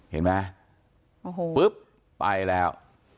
เห็นไหมปุ๊บไปแล้ว